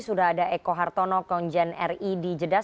sudah ada eko hartono konjen ri di jeddah